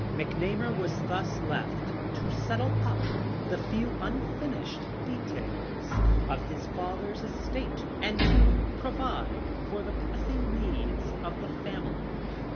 McNamar was thus left to settle up the few unfinished details of his father's estate, and to provide for the pressing needs of the family.